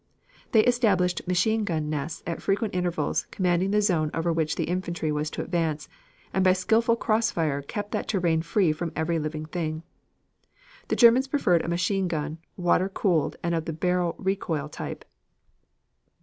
They established machine gun nests at frequent intervals commanding the zone over which infantry was to advance and by skilful crossfire kept that terrain free from every living thing. The Germans preferred a machine gun, water cooled and of the barrel recoil type.